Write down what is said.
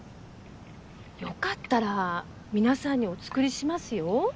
よかったら皆さんにお作りしますよ。